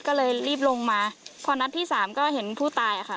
ก็เลยรีบลงมาพอนัดที่สามก็เห็นผู้ตายค่ะ